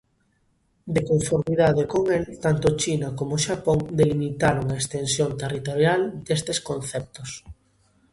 De conformidade con el, tanto China como Xapón delimitaron a extensión territorial destes conceptos.